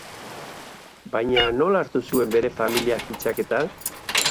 Baina, nola hartu zuen bere familiak fitxaketa?